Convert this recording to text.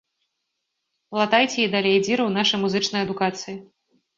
Латайце і далей дзіры ў нашай музычнай адукацыі!